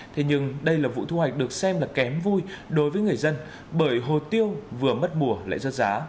thế nhưng đây là vụ thu hoạch được xem là kém vui đối với người dân bởi hồ tiêu vừa mất mùa lại rớt giá